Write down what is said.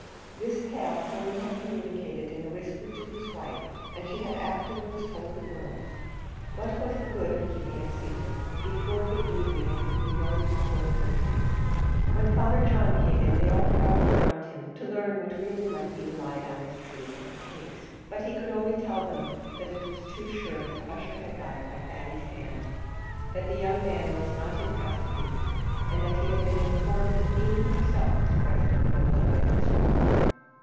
This tale Tony had communicated in a whisper to his wife, and she had afterwards told the girls. What was the good of keeping it secret? before the evening it would be known to the whole country. When Father John came in, they all crowded round him, to learn what really might be relied on as the truth of the case; but he could only tell them that it was too sure that Ussher had died by Thady's hand, that that young man was not in custody, and that he had been informed that Feemy herself was present when the blow had been struck.